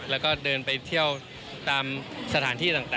แล้วก็เดินไปเที่ยวตามสถานที่ต่าง